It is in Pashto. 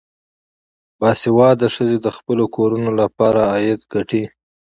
باسواده ښځې د خپلو کورنیو لپاره عاید ګټي.